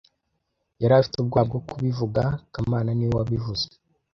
Yari afite ubwoba bwo kubivuga kamana niwe wabivuze